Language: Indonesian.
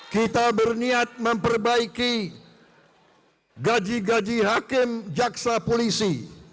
kita berniat memperbaiki gaji gaji hakim jaksa polisi